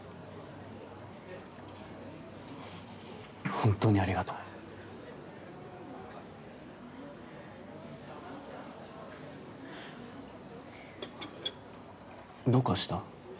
本当にありがとうどうかした？